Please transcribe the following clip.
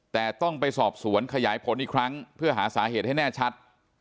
แต่ต้องไปสอบสวนขยายผลอีกครั้งเพื่อหาสาเหตุให้แน่ชัด